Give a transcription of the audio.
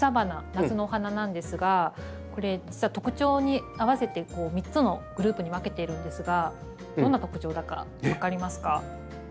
夏のお花なんですがこれ実は特徴に合わせて３つのグループに分けているんですがどんな特徴だか分かりますか？